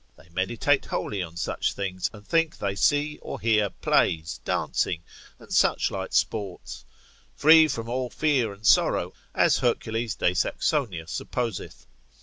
They meditate wholly on such things, and think they see or hear plays, dancing, and suchlike sports (free from all fear and sorrow, as Hercules de Saxonia supposeth.)